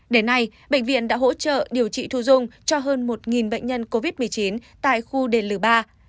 đến nay bệnh viện đã hỗ trợ điều trị thu dung cho hơn một bệnh nhân covid một mươi chín tại khu đền lì ba